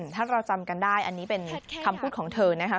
ถ้าเราจำกันได้อันนี้เป็นคำพูดของเธอนะคะ